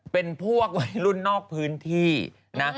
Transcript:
เป็นพวกวัยรุ่นนอกพื้นที่นะ